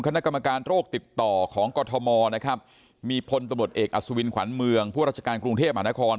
คณะกรรมการโรคติดต่อของกรทมนะครับมีพลตำรวจเอกอัศวินขวัญเมืองผู้ราชการกรุงเทพมหานคร